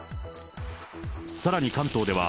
さらに関東では、